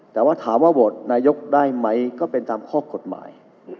แต่ว่าถามว่าโหวตนายกได้ไหมก็เป็นตามข้อกฎหมาย